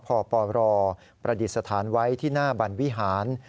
ปปรประดิษฐานไว้ที่หน้าบรรวิหาร